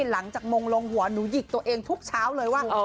หลังจากมงลงหัวหนูหยิกตัวเองทุกเช้าเลยว่า